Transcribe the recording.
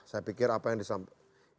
saya pikir apa yang disampaikan